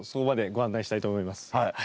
はい。